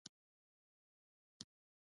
د افغانستان خامک ډیر ښکلی دی